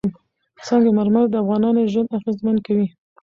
سنگ مرمر د افغانانو ژوند اغېزمن کوي.